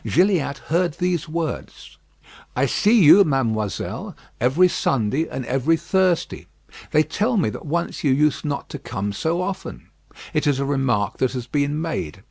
Gilliatt heard these words: "I see you, mademoiselle, every Sunday and every Thursday. They tell me that once you used not to come so often. It is a remark that has been made.